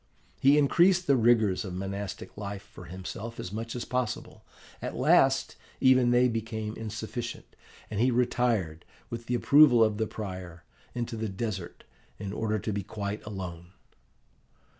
He increased the rigours of monastic life for himself as much as possible. At last, even they became insufficient, and he retired, with the approval of the prior, into the desert, in order to be quite alone.